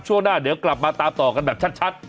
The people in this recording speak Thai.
ช่วงหน้าเดี๋ยวกลับมาตามต่อกันแบบชัด